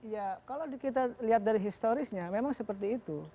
ya kalau kita lihat dari historisnya memang seperti itu